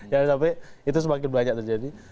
jangan sampai itu semakin banyak terjadi